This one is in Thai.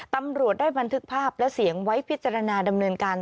ตำรวจได้บันทึกภาพและเสียงไว้พิจารณาดำเนินการ